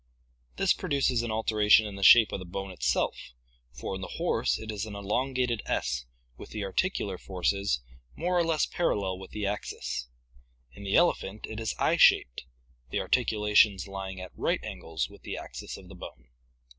This produces an alteration in the shape of the bone itself, for in the horse it is an elongated S with the articular faces more or less parallel with the axis; in the elephant it is I shaped, the articula tions lying at right angles with the axis of the bone.